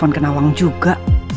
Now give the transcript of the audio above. oh tentu saja